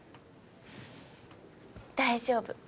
大丈夫。